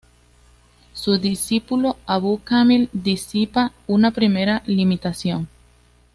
Su discípulo Abu Kamil disipa una primera limitación.